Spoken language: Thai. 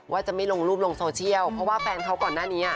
ว่าจะไม่ลงรูปลงโซเชียลเพราะว่าแฟนเขาก่อนหน้านี้